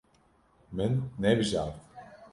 Min nebijart.